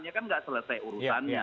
ya kan nggak selesai urusannya